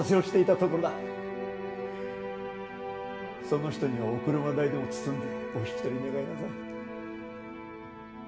その人にはお車代でも包んでお引き取り願いなさい。